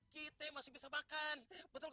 kita masih bisa makan betul